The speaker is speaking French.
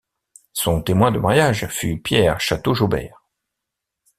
Son témoin de mariage fut Pierre Chateau-Jobert.